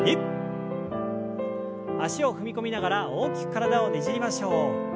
脚を踏み込みながら大きく体をねじりましょう。